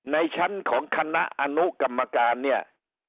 ในชั้นของคณะอนุกรรมการเนี่ย